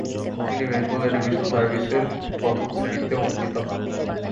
তিনি Bengal education সার্ভিসের প্রথম শ্রেনীতে উন্নীত হন।